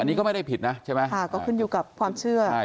อันนี้ก็ไม่ได้ผิดนะใช่ไหมค่ะก็ขึ้นอยู่กับความเชื่อใช่